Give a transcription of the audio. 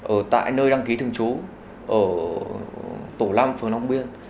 ở tại nơi đăng ký thường trú ở tổ năm phường long biên